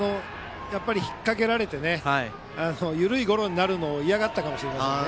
引っ掛けられて緩いゴロになるのを嫌がったかもしれませんね。